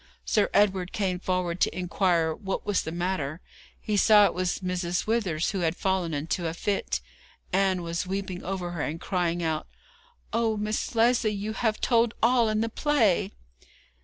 Sir Edward came forward to inquire what was the matter. He saw it was Mrs. Withers who had fallen into a fit. Ann was weeping over her, and crying out: 'Oh, Miss Lesley, you have told all in the play!'